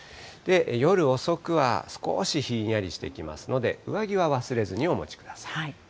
夜遅くは、少しひんやりしてきますので、上着は忘れずにお持ちください。